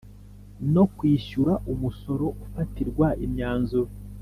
No kwishyura umusoro ufatirwa imyanzuro